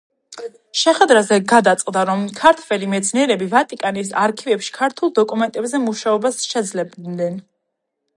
შეხვედრაზე გადაწყდა, რომ ქართველ მეცნიერები ვატიკანის არქივებში ქართულ დოკუმენტებზე მუშაობას შეძლებდნენ.